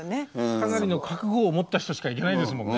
かなりの覚悟を持った人しか行けないですもんね。